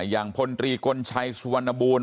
อย่างพลตรีกลชัยสวนบูล